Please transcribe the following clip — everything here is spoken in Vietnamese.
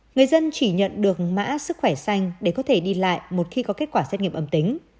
người dân chỉ nhận được mã sức khỏe xanh để có thể đi lại một khi có kết quả xét nghiệm âm tính